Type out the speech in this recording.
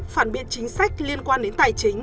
phản biệt chính sách liên quan đến tài chính